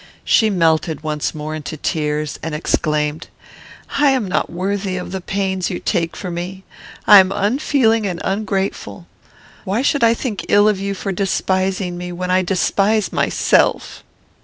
She melted once more into tears, and exclaimed, "I am not worthy of the pains you take for me. I am unfeeling and ungrateful. Why should I think ill of you for despising me, when I despise myself?"